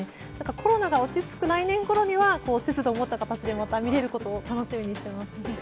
コロナが落ち着く来年ころには節度を持った形でまた見られることを楽しみにしています。